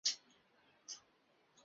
毁谤司机